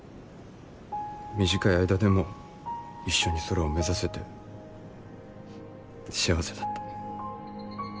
短い間でも一緒に空を目指せて幸せだった。